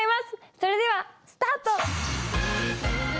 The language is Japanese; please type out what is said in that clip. それではスタート！